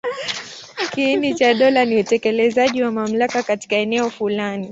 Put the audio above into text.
Kiini cha dola ni utekelezaji wa mamlaka katika eneo fulani.